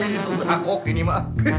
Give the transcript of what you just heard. berhak kok ini ma